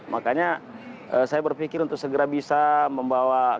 makanya saya berpikir untuk segera bisa membawa ke rumah sakit